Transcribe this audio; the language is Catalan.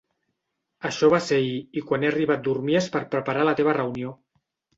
Això va ser ahir i quan he arribat dormies per preparar la teva reunió.